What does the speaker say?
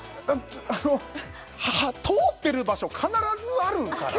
あの通ってる場所必ずあるんですよ